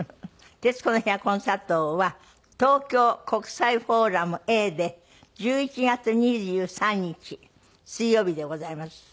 「徹子の部屋」コンサートは東京国際フォーラムＡで１１月２３日水曜日でございます。